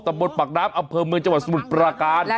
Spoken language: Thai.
ตรรบทบัตรปลากน้ำอเผิมเมืองฉวนสมุทรปราการ